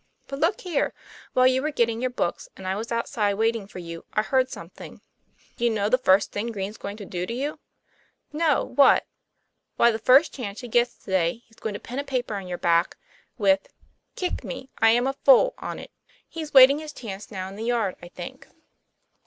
But look here! while you were getting your books, and I was outside waiting for you, I heard something. Do you know the first thing Green's going to do to you?" "No; what?" "Why, the first chance he gets to day he's going to pin a paper on your back with 54 TOM PLAYFAIR. 'KICK ME I AM A FOOL' on it. He's waiting his chance now in the yard, I think."